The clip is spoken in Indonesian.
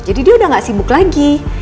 jadi dia udah gak sibuk lagi